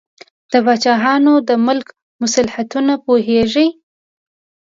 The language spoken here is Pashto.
د پاچاهانو د ملک مصلحتونه پوهیږي.